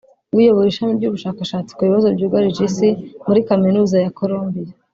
uyobora ishami ry’ubushakashatsi ku bibazo byugarije Isi muri Kaminuza ya Columbia